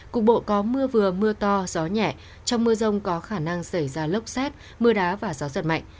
cục bộ có mưa vừa mưa to gió nhẹ trong mưa rông có khả năng xảy ra lốc xét mưa đá và gió giật mạnh